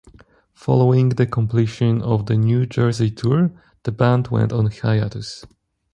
Following the completion of the New Jersey tour, the band went on hiatus.